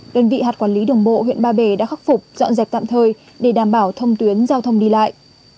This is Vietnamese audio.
đơn vị hạt quản lý đường bộ huyện ba bể đã khắc phục dọn dẹp tạm thời để đảm bảo thông tuyến giao thông đi lại